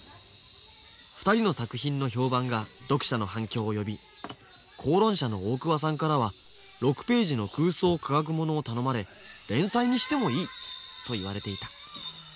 ２人の作品の評判が読者の反響を呼び講論社の大桑さんからは６ページの空想科学ものを頼まれ連載にしてもいいと言われていた。